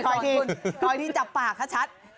ขออีกทีจับปากค่ะชัด